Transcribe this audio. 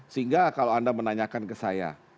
sehingga kalau anda menanyakan ke saya